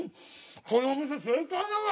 このお店正解だな！